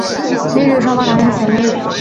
翌日双方达成协议。